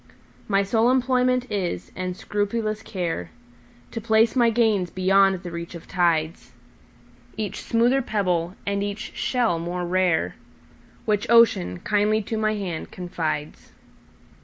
My sole employment is, and scrupulous care, To place my gains beyond the reach of tides,—Each smoother pebble, and each shell more rare, Which Ocean kindly to my hand confides.